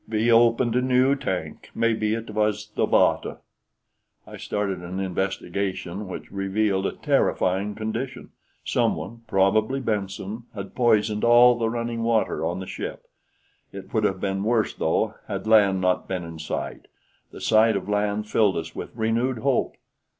We opened a new tank. Maybe it was the water." I started an investigation which revealed a terrifying condition some one, probably Benson, had poisoned all the running water on the ship. It would have been worse, though, had land not been in sight. The sight of land filled us with renewed hope.